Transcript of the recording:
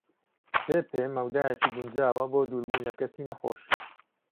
سێ پێ مەودایەکی گونجاوە بۆ دووربوون لە کەسی نەخۆش.